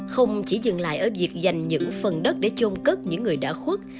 không chỉ dừng lại ở việc dành những phần đất để chôn cất những người đã khuất